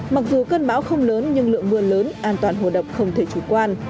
mặc dù cơn bão không lớn nhưng lượng mưa lớn an toàn hồ đập không thể chủ quan